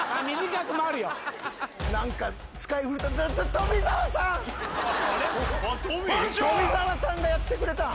富澤さんがやってくれたん？